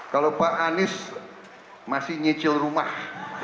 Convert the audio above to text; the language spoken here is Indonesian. kalau pak anies masih nyicil rumah